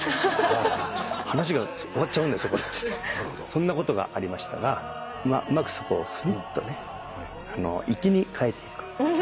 そんなことがありましたがうまくそこを粋にかえていく。